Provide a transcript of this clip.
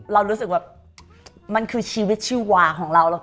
เรารู้สึกว่ามันคือชีวิตชีวาของเรา